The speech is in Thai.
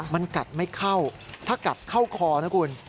มันกัดไม่เข้าถ้ากัดเข้าคอนะคุณ